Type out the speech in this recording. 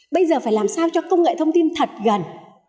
bây giờ phải làm sao cho công nghệ thông tin thật gần